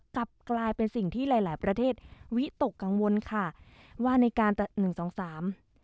กลับกลายเป็นสิ่งที่หลายหลายประเทศวิตกกังวลค่ะว่าในการตัดหนึ่งสองสาม